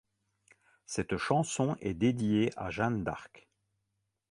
Cette chanson est dédiée à Jeanne d'Arc.